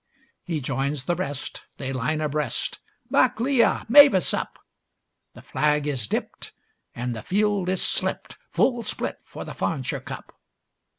He joins the rest, they line abreast, 'Back Leah! Mavis up!' The flag is dipped and the field is slipped, Full split for the Farnshire Cup.